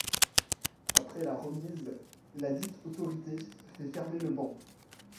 Après la remise, ladite autorité fait fermer le ban.